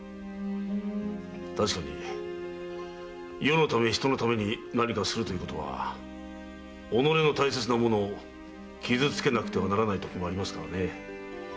たしかに世のため人のために何かするということは己の大切なものを傷つけなくてはならないときもありますから。